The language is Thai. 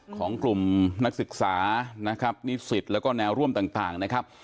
ของกลุ่มนักศึกษานะครับนิสิตแล้วก็แนวร่วมต่างนะครับ